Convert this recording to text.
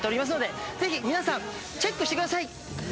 ぜひ皆さんチェックしてみてください。